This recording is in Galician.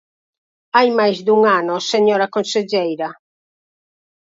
¡Hai máis dun ano, señora conselleira!